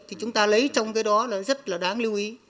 thì chúng ta lấy trong cái đó là rất là đáng lưu ý